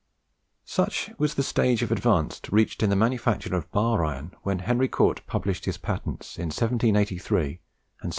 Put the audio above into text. Such was the stage of advance reached in the manufacture of bar iron, when Henry Cort published his patents in 1783 and 1784.